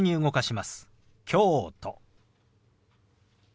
「京都」。